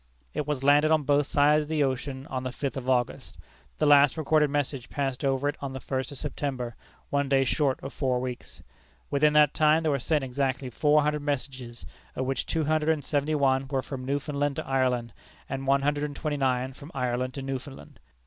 It was landed on both sides of the ocean on the fifth of August. The last recorded message passed over it on the first of September, one day short of four weeks. Within that time there were sent exactly four hundred messages, of which two hundred and seventy one were from Newfoundland to Ireland, and one hundred and twenty nine from Ireland to Newfoundland.